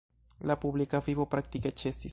La publika vivo praktike ĉesis.